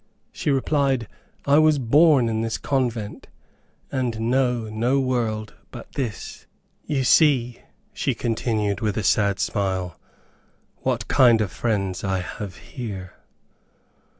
She replied, "I was born in this convent, and know no world but this. You see," she continued, with a sad smile, "what kind of friends I have here.